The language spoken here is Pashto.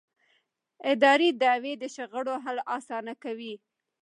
اداري دعوې د شخړو حل اسانه کوي.